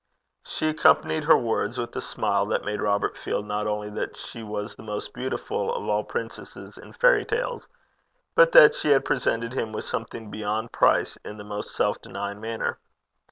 She accompanied her words with a smile that made Robert feel not only that she was the most beautiful of all princesses in fairy tales, but that she had presented him with something beyond price in the most self denying manner.